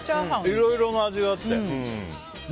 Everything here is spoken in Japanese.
いろいろな味があって。